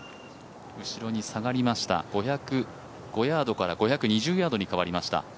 後ろに下がりました５０５ヤードから５２０ヤードに変わりました。